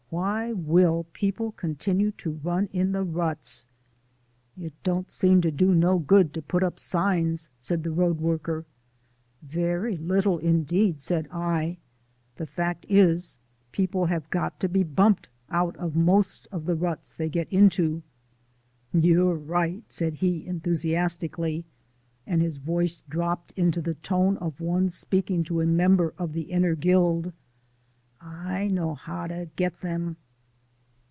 "Why WILL people continue to run in ruts?" "It don't seem to do no good to put up signs," said the road worker. "Very little indeed," said I. "The fact is, people have got to be bumped out of the ruts they get into." "You're right," said he enthusiastically, and his voice dropped into the tone of one speaking to a member of the inner guild. "I know how to get 'em."